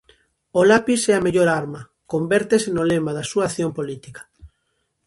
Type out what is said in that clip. "O lapis é a mellor arma" convértese no lema da súa acción política.